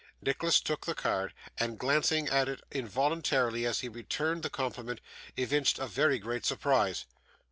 Nicholas took the card, and glancing at it involuntarily as he returned the compliment, evinced very great surprise.